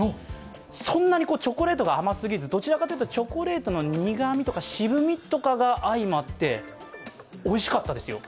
そんなにチョコレートが甘すぎず、どちらかというと、チョコレートの苦みとか渋みとかが相まっておいしかったですよ！